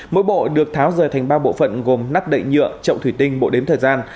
mỗi bộ được tháo rời thành ba bộ phận gồm nắp đậy nhựa trậu thủy tinh bộ đếm thời gian